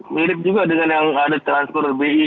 mirip juga dengan yang ada transfer bi